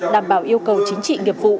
đảm bảo yêu cầu chính trị nghiệp vụ